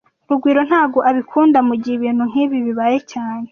Rugwiro ntago abikunda mugihe ibintu nkibi bibaye cyane